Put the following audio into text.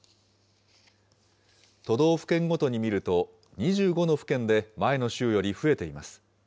都道府県ごとにみると、２５の府県で前の週より増えています。